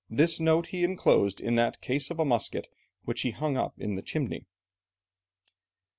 This note he enclosed in the case of a musket which he hung up in the chimney."